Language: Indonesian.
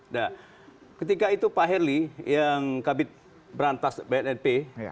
nah ketika itu pak herli yang kabit berantas bnnp